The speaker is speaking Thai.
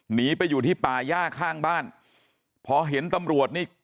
หนีไปอยู่ที่ป่าย่าข้างบ้านพอเห็นตำรวจนี่